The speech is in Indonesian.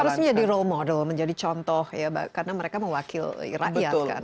harusnya jadi role model menjadi contoh ya karena mereka mewakil rakyat kan